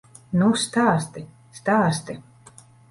Nu stāsti, stāsti!